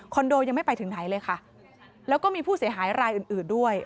โดยังไม่ไปถึงไหนเลยค่ะแล้วก็มีผู้เสียหายรายอื่นอื่นด้วย